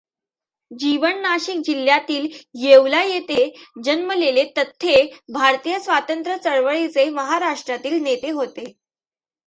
जीवन नाशिक जिल्ह्यातील येवला येथे जन्मलेले थत्ते भारतीय स्वातंत्र्य चळवळीचे महाराष्ट्रातील नेते होते.